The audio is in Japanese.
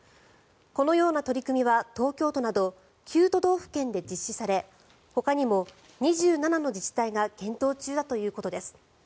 このような取り組みは東京都など９都道府県で実施されほかにも２７の自治体が検討中だということです。